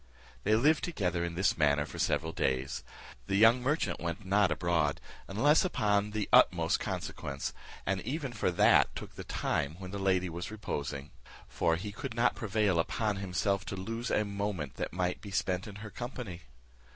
They lived together in this manner for several days. The young merchant went not abroad, unless upon of the utmost consequence, and even for that took the time when the lady was reposing; for he could not prevail upon himself to lose a moment that might be spent in her company.